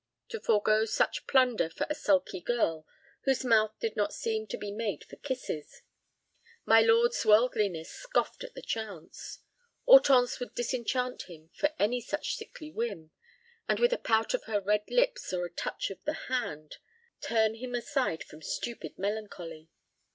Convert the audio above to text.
To forego such plunder for a sulky girl whose mouth did not seem to be made for kisses! My lord's worldliness scoffed at the chance. Hortense would disenchant him for any such sickly whim, and with a pout of her red lips or a touch of the hand, turn him aside from stupid melancholy.